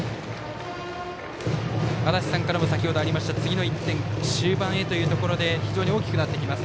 足達さんからも先程ありました次の１点は終盤へというところで非常に大きくなってきます。